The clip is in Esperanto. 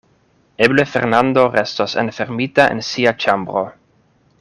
Eble Fernando restos enfermita en sia ĉambro.